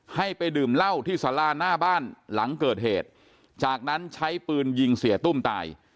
ให้ไปดื่มเหล้าที่สาราหน้าบ้านหลังเกิดเหตุจากนั้นใช้ปืนยิงเสียตุ้มตาย